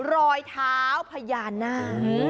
รอยเท้าพญานาค